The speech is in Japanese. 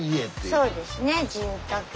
そうですね住宅街。